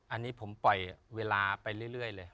อันนี้ผมปล่อยเวลาไปเรื่อยเลย